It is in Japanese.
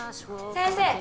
先生！